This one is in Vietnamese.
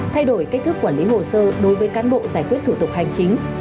thay đổi cách thức quản lý hồ sơ đối với cán bộ giải quyết thủ tục hành chính